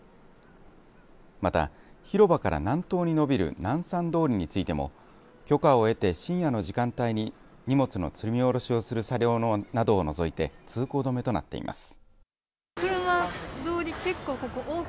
また、広場から南東にのびるなんさん通りについても許可を得て深夜の時間帯に荷物の積み下ろしをする車両などを除いて通行止めとなっています。